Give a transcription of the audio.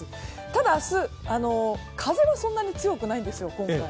ただ明日、風はそんなに強くないんですよ、今回。